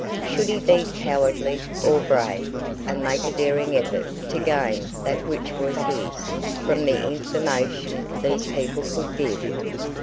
Should he be cowardly, or brave, and make a daring effort to gain that which was his, from the information these people could give?